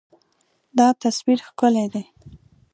دا تصویر ښکلی دی.